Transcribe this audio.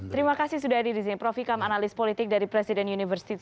terima kasih sudah hadir disini prof ikam analis politik dari presiden universitas